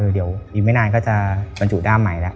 เดี๋ยวอีกไม่นานก็จะบรรจุด้ามใหม่แล้ว